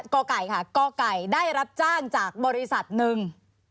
กไก่ค่ะกไก่ได้รับจ้างจากบริษัทหนึ่ง